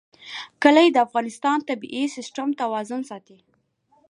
کلي د افغانستان د طبعي سیسټم توازن ساتي.